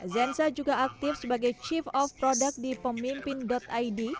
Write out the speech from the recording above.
zensa juga aktif sebagai chief of product di pemimpin id